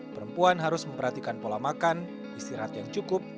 perempuan harus memperhatikan pola makan istirahat yang cukup